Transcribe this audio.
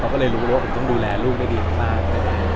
ก็เลยรู้ว่าผมต้องดูแลลูกได้ดีมาก